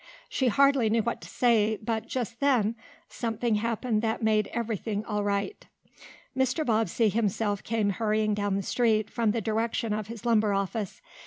She hardly knew what to say, but just then something happened that made everything all right. Mr. Bobbsey himself came hurrying down the street, from the direction of his lumber office.